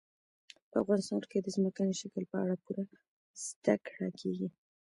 په افغانستان کې د ځمکني شکل په اړه پوره زده کړه کېږي.